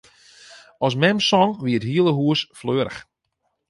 As mem song, wie it hiele hûs fleurich.